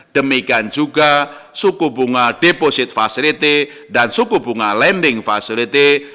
demikian juga suku bunga deposit facility dan suku bunga lending facility